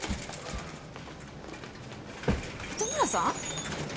糸村さん！？